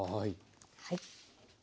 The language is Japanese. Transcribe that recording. はい。